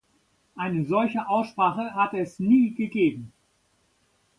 Eine solche Aussprache hat es nie gegeben.